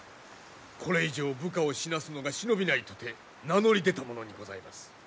これ以上部下を死なすのが忍びないとて名乗り出たものにございます。